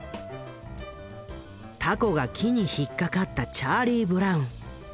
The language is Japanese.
凧が木に引っ掛かったチャーリー・ブラウン。